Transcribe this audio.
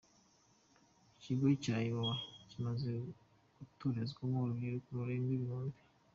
Ikigo cya Iwawa kimaze gutorezwamo urubyiruko rurenga ibihumbi.